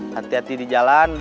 hati hati di jalan